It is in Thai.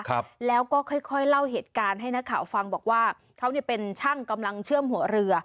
ครับแล้วก็ค่อยค่อยเล่าเหตุการณ์ให้นักข่าวฟังบอกว่าเขาเนี่ยเป็นช่างกำลังเชื่อมหัวเรือ